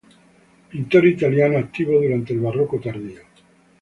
Pintor italiano, activo durante el Barroco tardío.